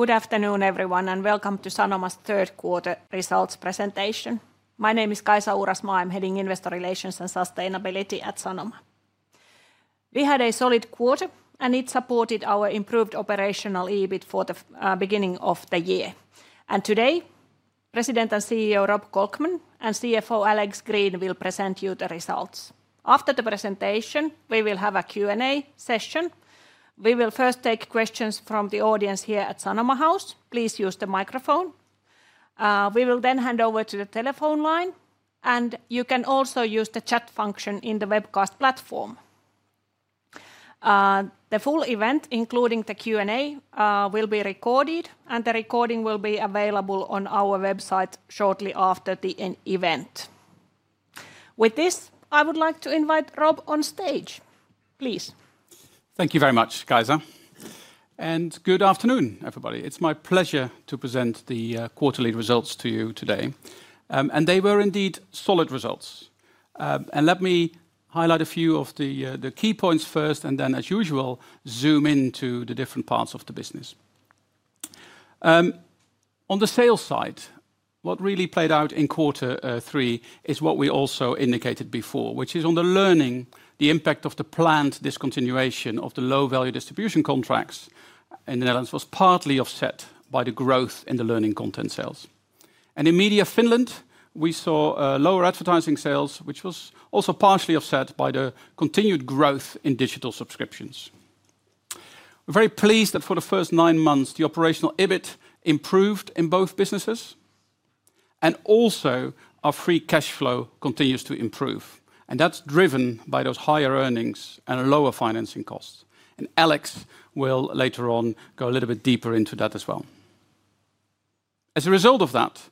Good afternoon, everyone, and welcome to Sanoma's third quarter results presentation. My name is Kaisa Uurasmaa. I'm heading Investor Relations and Sustainability at Sanoma. We had a solid quarter, and it supported our improved operational EBIT for the beginning of the year. Today, President and CEO Rob Kolkman and CFO Alex Green will present you the results. After the presentation, we will have a Q&A session. We will first take questions from the audience here at Sanoma House. Please use the microphone. We will then hand over to the telephone line, and you can also use the chat function in the webcast platform. The full event, including the Q&A, will be recorded, and the recording will be available on our website shortly after the event. With this, I would like to invite Rob on stage. Please. Thank you very much, Kaisa, and good afternoon, everybody. It's my pleasure to present the quarterly results to you today, and they were indeed solid results. Let me highlight a few of the key points first, and then, as usual, zoom into the different parts of the business. On the sales side, what really played out in quarter three is what we also indicated before, which is on the learning. The impact of the planned discontinuation of the low-value distribution contracts in the Netherlands was partly offset by the growth in the learning content sales. In Media Finland, we saw lower advertising sales, which was also partially offset by the continued growth in digital subscriptions. We're very pleased that for the first nine months, the operational EBIT improved in both businesses, and also our free cash flow continues to improve. That's driven by those higher earnings and lower financing costs. Alex will later on go a little bit deeper into that as well. As a result of that,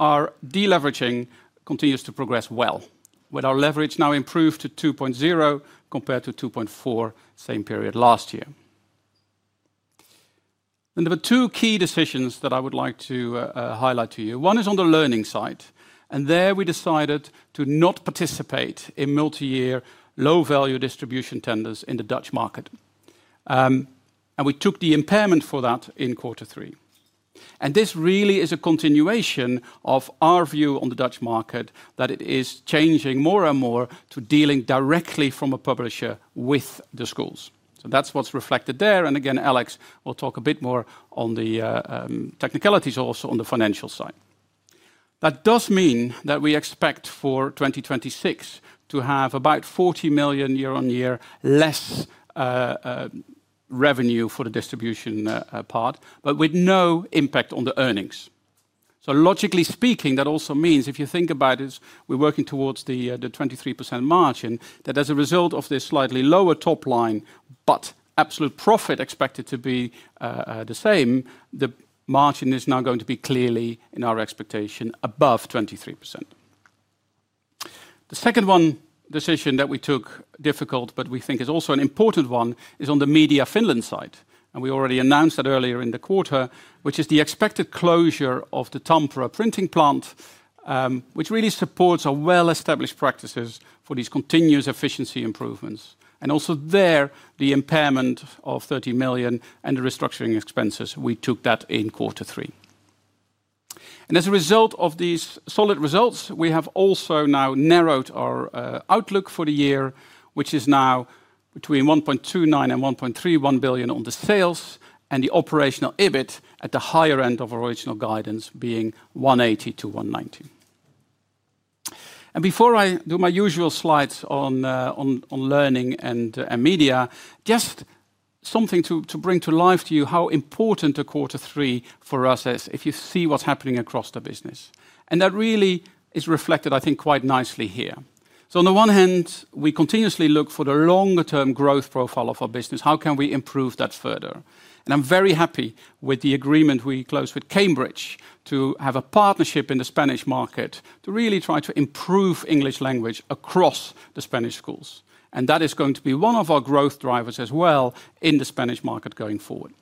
our deleveraging continues to progress well, with our leverage now improved to 2.0 compared to 2.4 same period last year. There were two key decisions that I would like to highlight to you. One is on the learning side, and there we decided to not participate in multi-year low-value distribution tenders in the Dutch market, and we took the impairment for that in quarter three. This really is a continuation of our view on the Dutch market that it is changing more and more to dealing directly from a publisher with the schools. That's what's reflected there, and again, Alex will talk a bit more on the technicalities also on the financial side. That does mean that we expect for 2026 to have about 40 million year-on-year less revenue for the distribution part, but with no impact on the earnings. Logically speaking, that also means if you think about it, we're working towards the 23% margin that as a result of this slightly lower top line, but absolute profit expected to be the same, the margin is now going to be clearly in our expectation above 23%. The second one decision that we took, difficult, but we think is also an important one, is on the Media Finland side, and we already announced that earlier in the quarter, which is the expected closure of the Tampere printing plant, which really supports our well-established practices for these continuous efficiency improvements. Also there, the impairment of 30 million and the restructuring expenses, we took that in quarter three. As a result of these solid results, we have also now narrowed our outlook for the year, which is now between 1.29 billion-1.31 billion on the sales and the operational EBIT at the higher end of our original guidance being 180 million- 190 million. Before I do my usual slides on learning and media, just something to bring to life to you how important a quarter three for us is if you see what's happening across the business. That really is reflected, I think, quite nicely here. On the one hand, we continuously look for the longer-term growth profile of our business. How can we improve that further? I'm very happy with the agreement we closed with Cambridge to have a partnership in the Spanish market to really try to improve English language across the Spanish schools. That is going to be one of our growth drivers as well in the Spanish market going forward.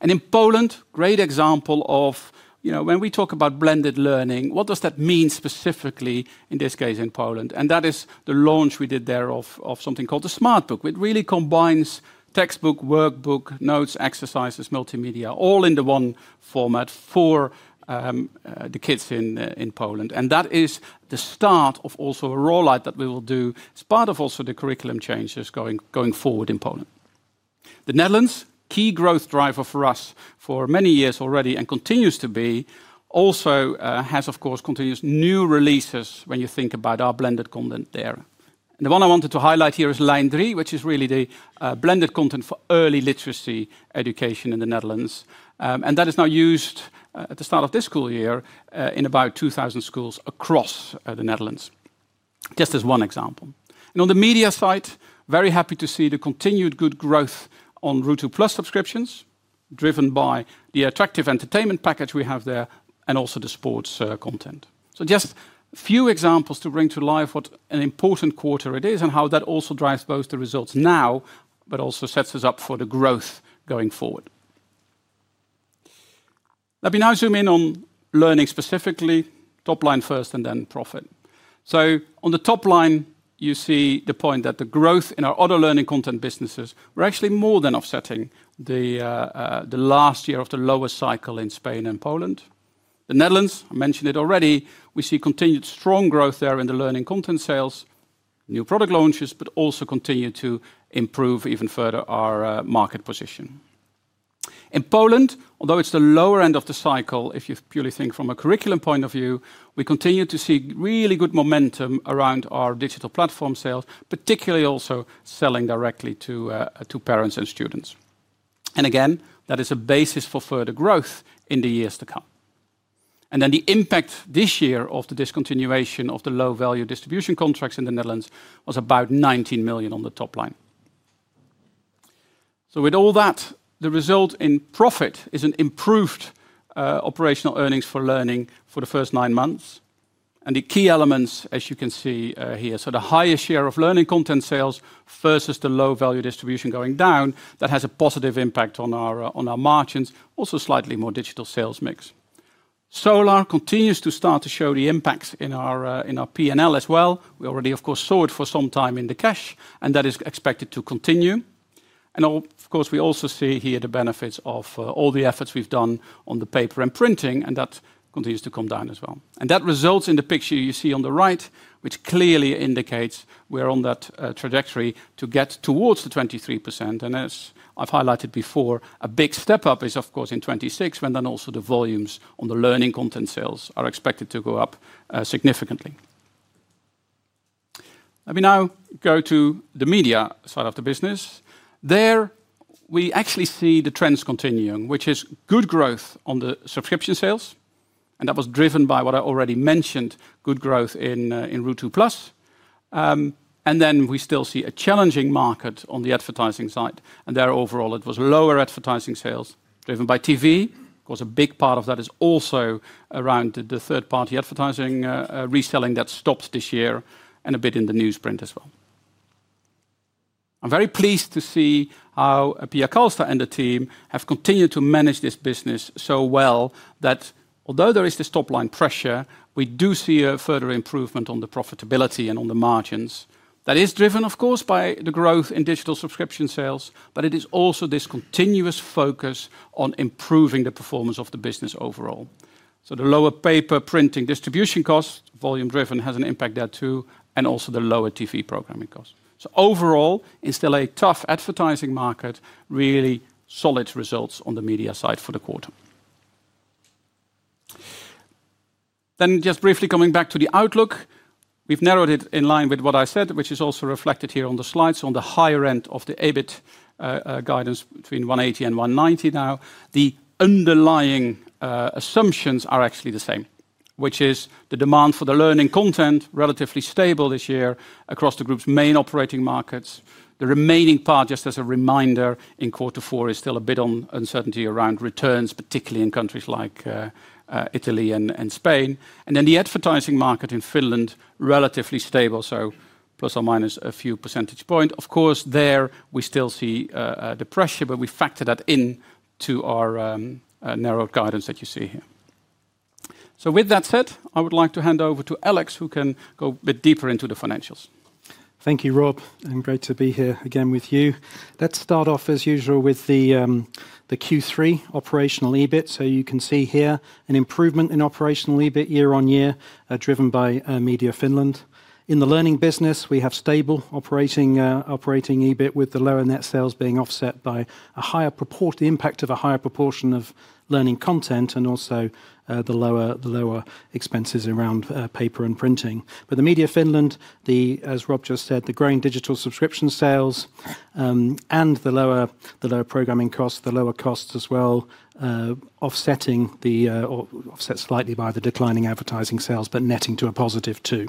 In Poland, great example of when we talk about blended learning, what does that mean specifically in this case in Poland? That is the launch we did there of something called the Smart Book, which really combines textbook, workbook, notes, exercises, multimedia, all into one format for the kids in Poland. That is the start of also a rollout that we will do as part of also the curriculum changes going forward in Poland. The Netherlands, key growth driver for us for many years already and continues to be, also has of course continuous new releases when you think about our blended content there. The one I wanted to highlight here is Line 3, which is really the blended content for early literacy education in the Netherlands. That is now used at the start of this school year in about 2,000 schools across the Netherlands, just as one example. On the media side, very happy to see the continued good growth on Ruutu+ subscriptions, driven by the attractive entertainment package we have there and also the sports content. Just a few examples to bring to life what an important quarter it is and how that also drives both the results now, but also sets us up for the growth going forward. Let me now zoom in on learning specifically, top line first and then profit. On the top line, you see the point that the growth in our auto learning content businesses were actually more than offsetting the last year of the lowest cycle in Spain and Poland. The Netherlands, I mentioned it already, we see continued strong growth there in the learning content sales, new product launches, but also continue to improve even further our market position. In Poland, although it's the lower end of the cycle, if you purely think from a curriculum point of view, we continue to see really good momentum around our digital platform sales, particularly also selling directly to parents and students. That is a basis for further growth in the years to come. The impact this year of the discontinuation of the low-value distribution contracts in the Netherlands was about 19 million on the top line. With all that, the result in profit is an improved operational earnings for learning for the first nine months. The key elements, as you can see here, the highest share of learning content sales versus the low-value distribution going down, that has a positive impact on our margins, also slightly more digital sales mix. Solar continues to start to show the impacts in our P&L as well. We already of course saw it for some time in the cash, and that is expected to continue. We also see here the benefits of all the efforts we've done on the paper and printing, and that continues to come down as well. That results in the picture you see on the right, which clearly indicates we're on that trajectory to get towards the 23%. As I've highlighted before, a big step up is of course in 2026, when then also the volumes on the learning content sales are expected to go up significantly. Let me now go to the media side of the business. There, we actually see the trends continuing, which is good growth on the subscription sales, and that was driven by what I already mentioned, good growth in Ruutu+. We still see a challenging market on the advertising side, and there overall it was lower advertising sales driven by TV. A big part of that is also around the third-party advertising reselling that stopped this year and a bit in the newsprint as well. I'm very pleased to see how Pia Kalsta and the team have continued to manage this business so well that although there is the top line pressure, we do see a further improvement on the profitability and on the margins. That is driven of course by the growth in digital subscription sales, but it is also this continuous focus on improving the performance of the business overall. The lower paper printing distribution costs, volume-driven, has an impact there too, and also the lower TV programming costs. Overall, it's still a tough advertising market, really solid results on the media side for the quarter. Just briefly coming back to the outlook, we've narrowed it in line with what I said, which is also reflected here on the slides. On the higher end of the EBIT guidance between 180 million-190 million now, the underlying assumptions are actually the same, which is the demand for the learning content relatively stable this year across the group's main operating markets. The remaining part, just as a reminder, in quarter four is still a bit on uncertainty around returns, particularly in countries like Italy and Spain. The advertising market in Finland is relatively stable, plus or minus a few percentage points. Of course, there we still see the pressure, but we factor that into our narrow guidance that you see here. With that said, I would like to hand over to Alex, who can go a bit deeper into the financials. Thank you, Rob. Great to be here again with you. Let's start off as usual with the Q3 operational EBIT. You can see here an improvement in operational EBIT year-on-year, driven by Media Finland. In the learning business, we have stable operating EBIT with the lower net sales being offset by the impact of a higher proportion of learning content and also the lower expenses around paper and printing. The Media Finland, as Rob just said, the growing digital subscription sales and the lower programming costs, the lower costs as well, offset slightly by the declining advertising sales, but netting to a positive too.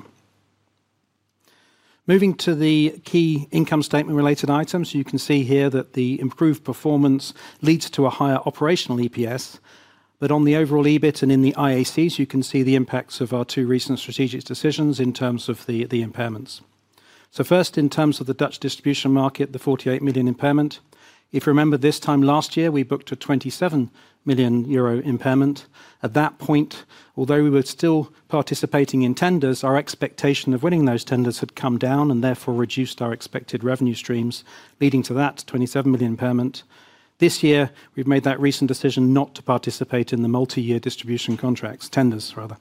Moving to the key income statement related items, you can see here that the improved performance leads to a higher operational EPS, but on the overall EBIT and in the IACs, you can see the impacts of our two recent strategic decisions in terms of the impairments. First, in terms of the Dutch distribution market, the 48 million impairment. If you remember this time last year, we booked a 27 million euro impairment. At that point, although we were still participating in tenders, our expectation of winning those tenders had come down and therefore reduced our expected revenue streams, leading to that 27 million impairment. This year, we've made that recent decision not to participate in the multi-year distribution contracts, tenders rather.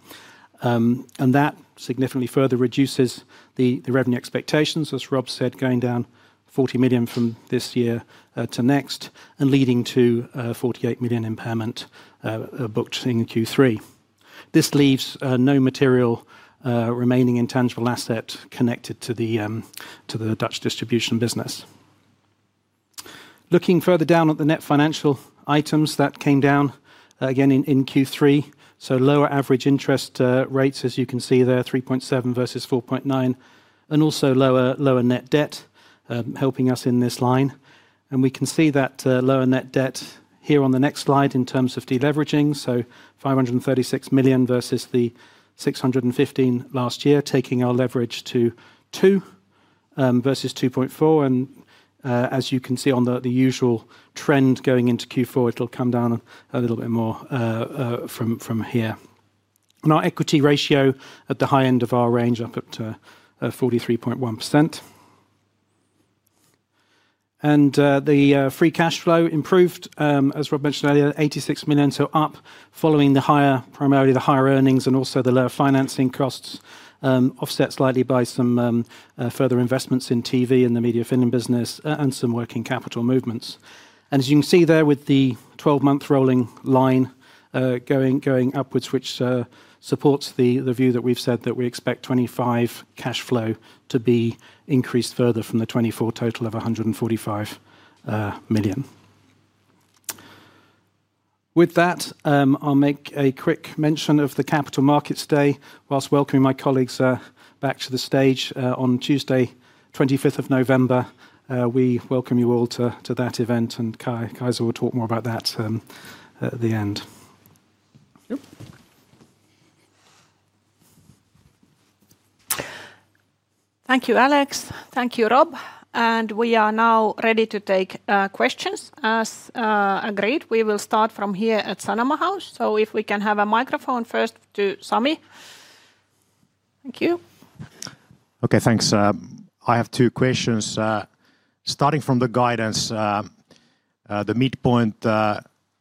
That significantly further reduces the revenue expectations, as Rob said, going down 40 million from this year to next and leading to a 48 million impairment booked in Q3. This leaves no material remaining intangible asset connected to the Dutch distribution business. Looking further down at the net financial items, that came down again in Q3. Lower average interest rates, as you can see there, 3.7% versus 4.9%, and also lower net debt helping us in this line. We can see that lower net debt here on the next slide in terms of deleveraging, 536 million versus the 615 million last year, taking our leverage to 2 versus 2.4. As you can see on the usual trend going into Q4, it'll come down a little bit more from here. Our equity ratio at the high end of our range up at 43.1%. The free cash flow improved, as Rob mentioned earlier, 86 million, so up following the higher, primarily the higher earnings and also the lower financing costs, offset slightly by some further investments in TV in the Media Finland business and some working capital movements. As you can see there with the 12-month rolling line going upwards, which supports the view that we've said that we expect 2025 cash flow to be increased further from the 2024 total of 145 million. With that, I'll make a quick mention of the Capital Markets Day. Whilst welcoming my colleagues back to the stage on Tuesday, 25th of November, we welcome you all to that event, and Kaisa will talk more about that at the end. Thank you, Alex. Thank you, Rob. We are now ready to take questions. As agreed, we will start from here at Sanoma House. If we can have a microphone first to Sami. Thank you. Thanks. I have two questions. Starting from the guidance, the midpoint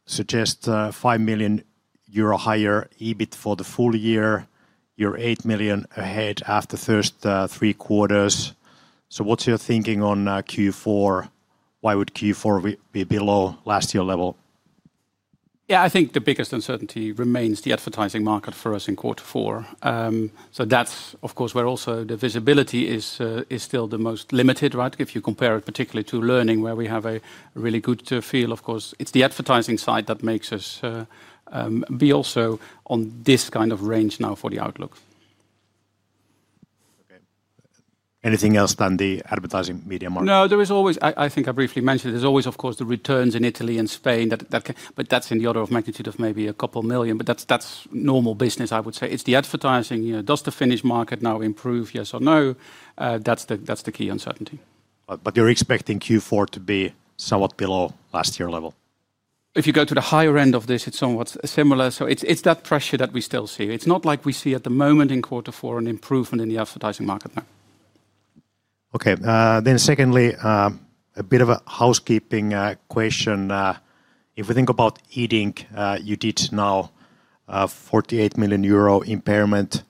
suggests 5 million euro higher EBIT for the full year, you're 8 million ahead after first three quarters. What's your thinking on Q4? Why would Q4 be below last year level? I think the biggest uncertainty remains the advertising market for us in quarter four. That's of course where also the visibility is still the most limited. If you compare it particularly to learning where we have a really good feel, of course it's the advertising side that makes us be also on this kind of range now for the outlook. Anything else than the advertising media market? I think I briefly mentioned it. There's always, of course, the returns in Italy and Spain, but that's in the order of magnitude of maybe a couple million, but that's normal business, I would say. It's the advertising. Does the Finnish market now improve? Yes or no? That's the key uncertainty. You're expecting Q4 to be somewhat below last year level? If you go to the higher end of this, it's somewhat similar. It's that pressure that we still see. It's not like we see at the moment in quarter four an improvement in the advertising market now. Secondly, a bit of a housekeeping question. If we think about Iddink, you did now 48 million euro impairment.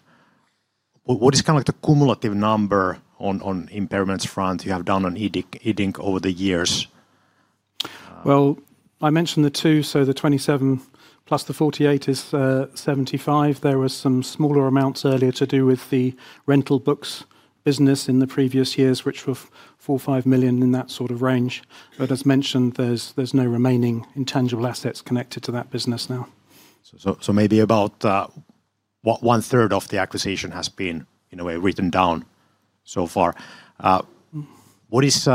What is kind of like the cumulative number on impairments front you have done on Iddink over the years? I mentioned the two, the 27 plus the 48 is 75. There were some smaller amounts earlier to do with the rental books business in the previous years, which were 4 million or 5 million in that sort of range. As mentioned, there's no remaining intangible assets connected to that business now. Maybe about one third of the acquisition has been in a way written down so far. What is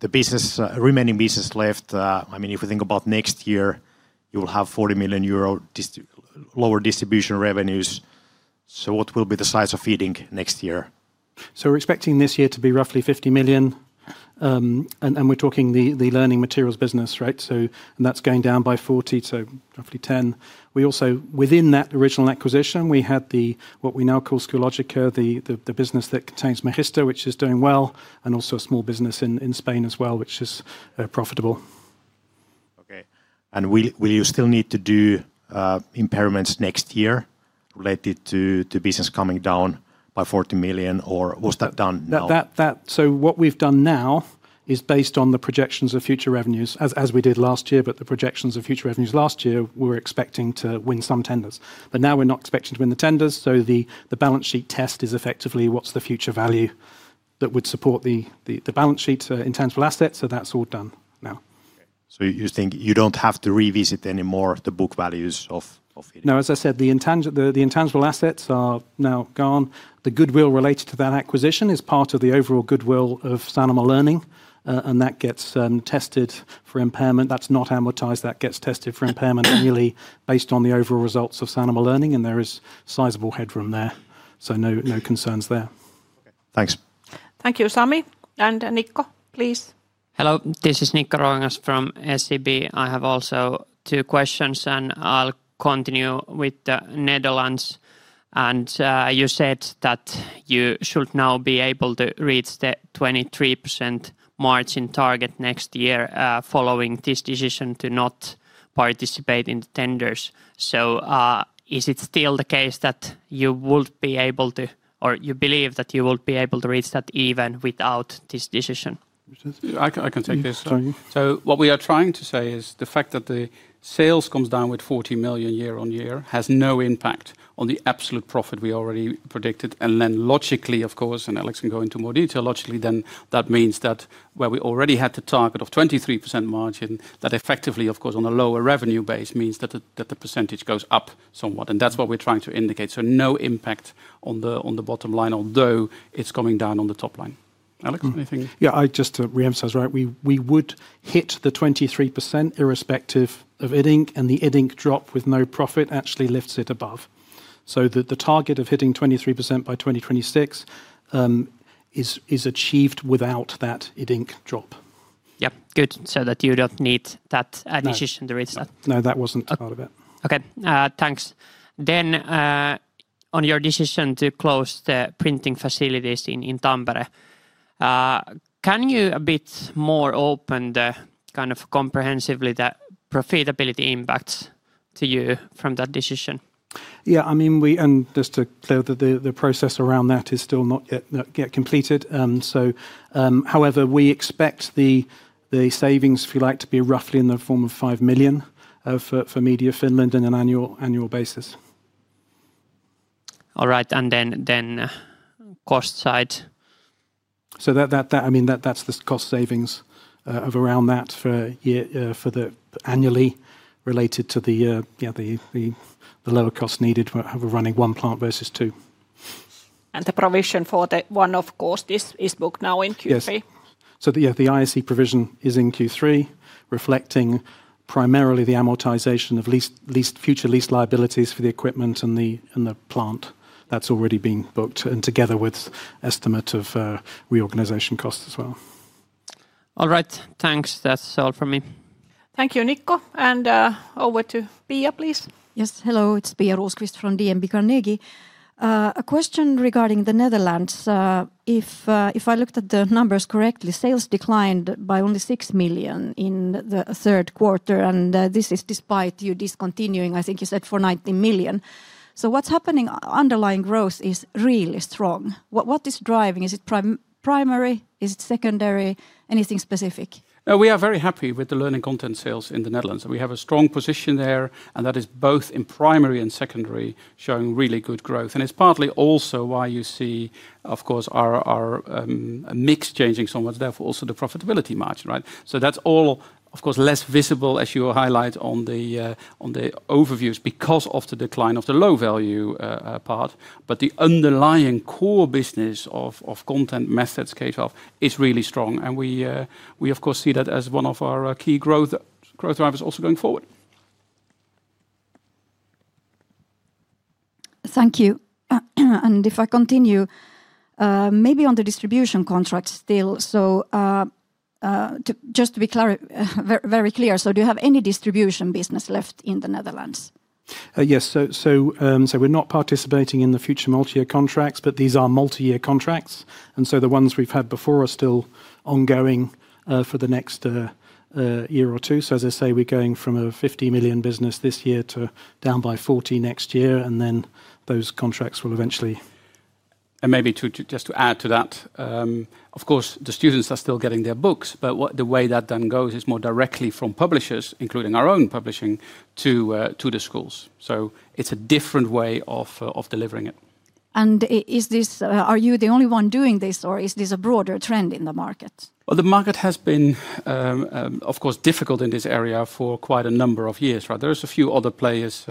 the remaining business left? I mean, if we think about next year, you will have 40 million euro lower distribution revenues. What will be the size of Iddink next year? We're expecting this year to be roughly 50 million, and we're talking the learning materials business. That's going down by 40 million, so roughly 10 million. Also, within that original acquisition, we had what we now call Schoologica, the business that contains Magister, which is doing well, and also a small business in Spain as well, which is profitable. Will you still need to do impairments next year related to business coming down by 40 million, or was that done now? What we've done now is based on the projections of future revenues as we did last year. The projections of future revenues last year, we were expecting to win some tenders. Now we're not expecting to win the tenders, so the balance sheet test is effectively what's the future value that would support the balance sheet intangible assets. That's all done now. You think you don't have to revisit anymore the book values of Iddink? No, as I said, the intangible assets are now gone. The goodwill related to that acquisition is part of the overall goodwill of Sanoma Learning, and that gets tested for impairment. That's not amortized. That gets tested for impairment merely based on the overall results of Sanoma Learning, and there is sizable headroom there. No concerns there. Thanks. Thank you, Sami. Nikko, please. Hello, this is Nikko Ruokangas from SEB. I have also two questions, and I'll continue with the Netherlands. You said that you should now be able to reach the 23% margin target next year following this decision to not participate in the tenders. Is it still the case that you would be able to, or you believe that you would be able to reach that even without this decision? I can take this. What we are trying to say is the fact that the sales comes down with 40 million year-on-year has no impact on the absolute profit we already predicted. Logically, of course, and Alex can go into more detail, logically that means that where we already had the target of 23% margin, that effectively of course on a lower revenue base means that the percentage goes up somewhat, and that's what we're trying to indicate. No impact on the bottom line, although it's coming down on the top line. Alex, anything? Yeah. I'd just reemphasize, we would hit the 23% irrespective of Iddink, and the Iddink drop with no profit actually lifts it above. The target of hitting 23% by 2026 is achieved without that Iddink drop. Good, so that you don't need that addition to reach that. No, that wasn't part of it. Thanks. On your decision to close the printing facilities in Tampere, can you be a bit more open, kind of comprehensively, about the profitability impacts to you from that decision? Yeah, I mean, just to be clear, the process around that is still not yet completed. However, we expect the savings, if you like, to be roughly in the form of 5 million for Media Finland on an annual basis. Cost side. That's the cost savings of around that for annually related to the lower costs needed for running one plant versus two. The provision for the one-off course is booked now in Q3? Yeah, the IAC provision is in Q3, reflecting primarily the amortization of future lease liabilities for the equipment and the plant that's already been booked, together with estimate of reorganization costs as well. Thanks. That's all for me. Thank you, Nikko. Over to Pia, please. Hello, it's Pia Rosqvist from DNB Carnegie. A question regarding the Netherlands. If I looked at the numbers correctly, sales declined by only 6 million in the third quarter, and this is despite you discontinuing, I think you said for 19 million. What's happening? Underlying growth is really strong. What is driving? Is it primary? Is it secondary? Anything specific? We are very happy with the learning content sales in the Netherlands. We have a strong position there, and that is both in primary and secondary showing really good growth. It's partly also why you see, of course, our mix changing so much, therefore also the profitability margin. That's all, of course, less visible as you highlight on the overviews because of the decline of the low-value part, but the underlying core business of content methods K12 is really strong. We, of course, see that as one of our key growth drivers also going forward. Thank you. If I continue, maybe on the distribution contracts still, just to be very clear, do you have any distribution business left in the Netherlands? Yes, we're not participating in the future multi-year contracts, but these are multi-year contracts. The ones we've had before are still ongoing for the next year or two. As I say, we're going from a 50 million business this year to down by 40 million next year, and then those contracts will eventually. Of course, the students are still getting their books, but the way that then goes is more directly from publishers, including our own publishing to the schools. It's a different way of delivering it. Are you the only one doing this, or is this a broader trend in the market? The market has been of course difficult in this area for quite a number of years. There are a few other players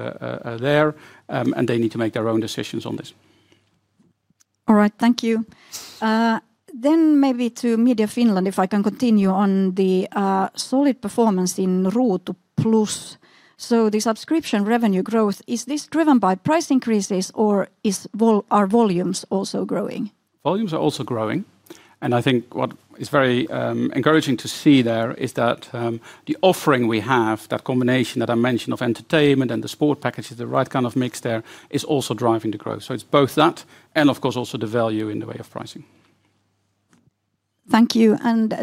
there, and they need to make their own decisions on this. Thank you. Maybe to Media Finland, if I can continue on the solid performance in Ruutu+. The subscription revenue growth, is this driven by price increases, or are volumes also growing? Volumes are also growing, and I think what is very encouraging to see there is that the offering we have, that combination that I mentioned of entertainment and the sport packages, the right kind of mix there, is also driving the growth. It's both that and of course also the value in the way of pricing. Thank you.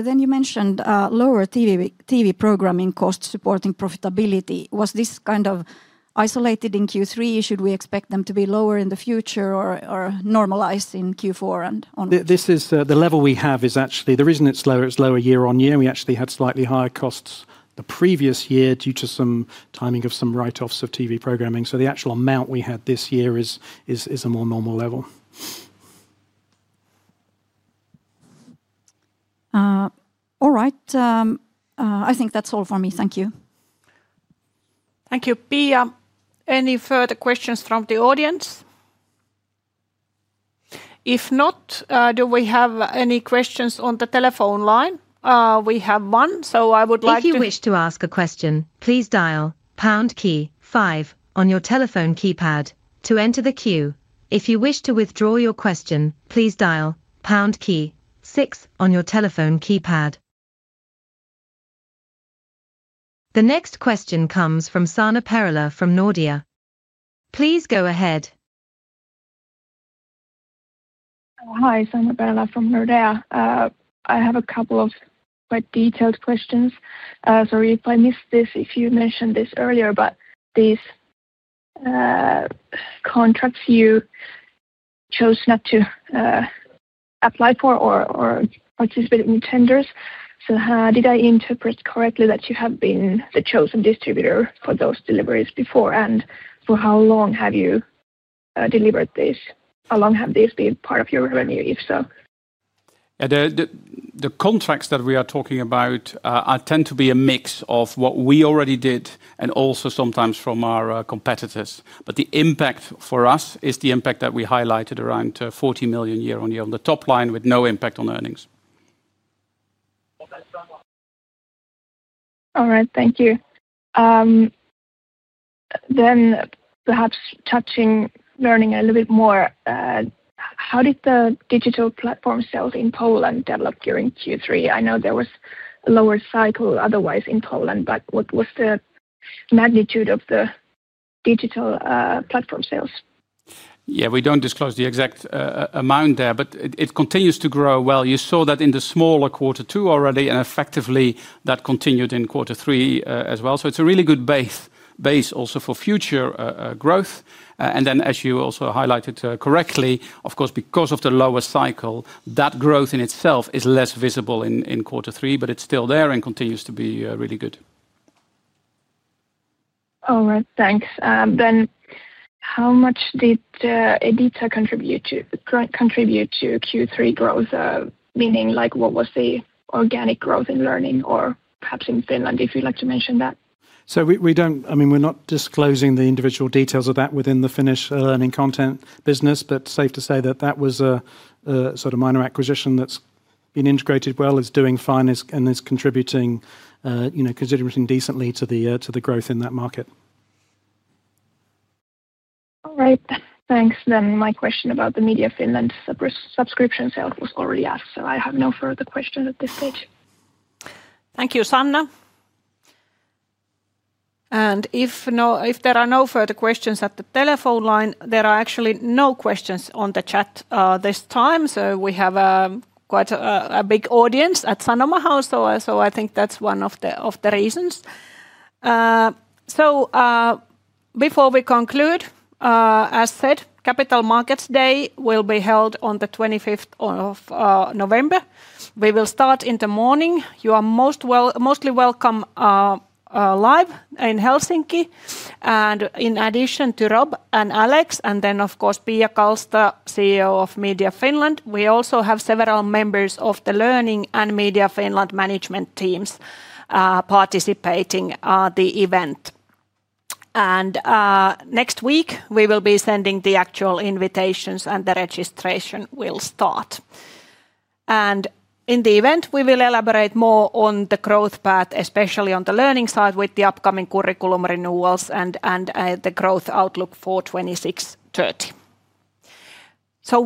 You mentioned lower TV programming costs supporting profitability. Was this kind of isolated in Q3? Should we expect them to be lower in the future or normalize in Q4? The level we have is actually the reason it's lower, it's lower year-on-year. We actually had slightly higher costs the previous year due to some timing of some write-offs of TV programming. The actual amount we had this year is a more normal level. I think that's all for me. Thank you. Thank you, Pia. Any further questions from the audience? If not, do we have any questions on the telephone line? We have one. I would like to. If you wish to ask a question, please dial pound key five on your telephone keypad to enter the queue. If you wish to withdraw your question, please dial pound key six on your telephone keypad. The next question comes from Sanna Perälä from Nordea. Please go ahead. Hi, Sanna Perälä from Nordea. I have a couple of quite detailed questions. Sorry if I missed this, if you mentioned this earlier, but these contracts you chose not to apply for or participate in tenders. Did I interpret correctly that you have been the chosen distributor for those deliveries before? For how long have you delivered this? How long have these been part of your revenue, if so? The contracts that we are talking about tend to be a mix of what we already did and also sometimes from our competitors. The impact for us is the impact that we highlighted, around 40 million year-on-year on the top line, with no impact on earnings. Thank you. Perhaps touching learning a little bit more, how did the digital platform sales in Poland develop during Q3? I know there was a lower cycle otherwise in Poland, but what was the magnitude of the digital platform sales? We don't disclose the exact amount there, but it continues to grow well. You saw that in the smaller quarter two already, and effectively that continued in quarter three as well. It's a really good base also for future growth. As you also highlighted correctly, of course because of the lower cycle, that growth in itself is less visible in quarter three, but it's still there and continues to be really good. Thanks. How much did Iddink contribute to Q3 growth? Meaning, what was the organic growth in learning or perhaps in Finland if you'd like to mention that? We're not disclosing the individual details of that within the Finnish learning content business, but safe to say that that was a sort of minor acquisition that's been integrated well, is doing fine, and is contributing considerably decently to the growth in that market. Thanks. My question about the Media Finland subscription sales was already asked, so I have no further questions at this stage. Thank you, Sanna. If there are no further questions at the telephone line, there are actually no questions on the chat this time. We have quite a big audience at Sanoma House, so I think that's one of the reasons. Before we conclude, as said, Capital Markets Day will be held on the 25th of November. We will start in the morning. You are mostly welcome live in Helsinki. In addition to Rob Kolkman and Alex Green, and then of course Pia Kalsta, CEO of Media Finland, we also have several members of the Learning and Media Finland management teams participating at the event. Next week, we will be sending the actual invitations and the registration will start. In the event, we will elaborate more on the growth path, especially on the learning side with the upcoming curriculum renewals and the growth outlook for 2026/2030.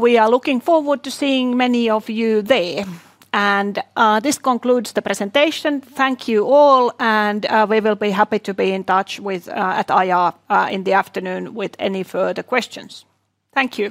We are looking forward to seeing many of you there. This concludes the presentation. Thank you all, and we will be happy to be in touch with IR in the afternoon with any further questions. Thank you.